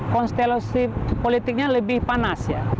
konstelasi politiknya lebih panas